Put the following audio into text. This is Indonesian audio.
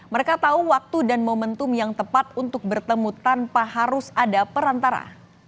mereka tahu waktu dan momentum yang tepat untuk bertemu tanpa harus ada perantara